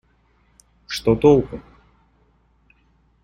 Что толку?..